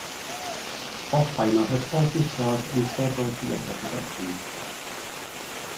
Hofheimer has also starred in several theatre productions.